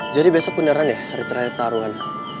jadi besok beneran ya hari terakhir taruhan